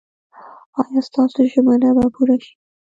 ایا ستاسو ژمنه به پوره شي؟